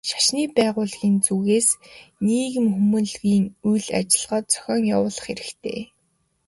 Шашны байгууллагын зүгээс нийгэм хүмүүнлэгийн үйл ажиллагаа зохион явуулах хэрэгтэй.